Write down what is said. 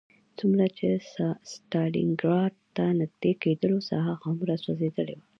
څومره چې ستالینګراډ ته نږدې کېدلو ساحه هغومره سوځېدلې وه